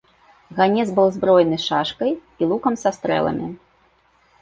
Ганец быў збройны шашкай і лукам са стрэламі.